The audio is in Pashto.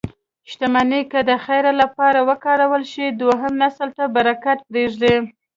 شتمني که د خیر لپاره وکارول شي، دویم نسل ته برکت پرېږدي.